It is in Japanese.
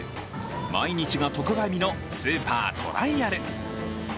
毎日が特売日のスーパートライアル。